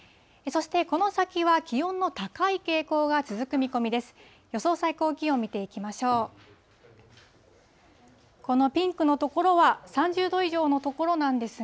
そして、この先は気温の高い傾向が続く見込みです。